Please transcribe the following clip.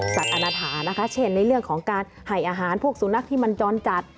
อาณาถานะคะเช่นในเรื่องของการให้อาหารพวกสุนัขที่มันจรจัด